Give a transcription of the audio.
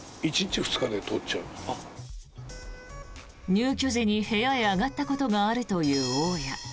入居時に部屋へ上がったことがあるという大家。